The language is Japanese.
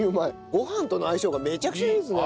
ご飯との相性がめちゃくちゃいいですね！